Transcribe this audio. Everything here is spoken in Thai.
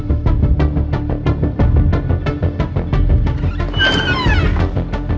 ทีหลังอย่าไปรับเครื่องดื่มจากคนที่ไม่รู้จักเข้าใจมั้ย